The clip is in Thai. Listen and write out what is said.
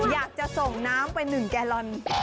อยากจะส่งน้ำไป๑กิโลน